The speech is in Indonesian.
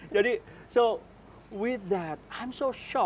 jadi dengan itu saya sangat terkejut